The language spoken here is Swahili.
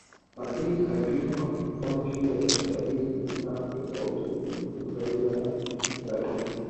Martin alitumwa kusoma shule katika miji mitatu tofauti alipojifunza lugha ya Kilatini